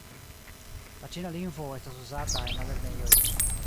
La ĉina lingvo estas uzata en la lernejoj.